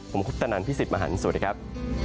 ผมคุปตนันพี่สิทธิ์มหันฯสวัสดีครับ